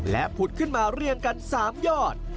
และผุดขึ้นมาเรียงกัน๓ยอด